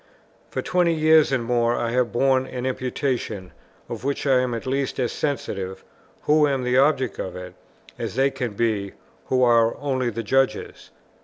For twenty years and more I have borne an imputation, of which I am at least as sensitive, who am the object of it, as they can be, who are only the judges.